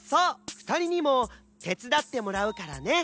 ふたりにもてつだってもらうからね！